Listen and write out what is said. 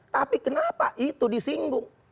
tapi kenapa itu disinggung